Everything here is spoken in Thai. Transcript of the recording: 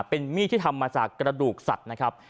เป็นมีดที่ทำมาจากกระดูกสัตว์นะครับ